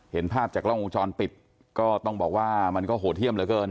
เห็นภาพจากกล้องวงจรปิดก็ต้องบอกว่ามันก็โหดเยี่ยมเหลือเกิน